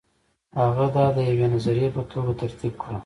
هغه دا د یوې نظریې په توګه ترتیب کړه.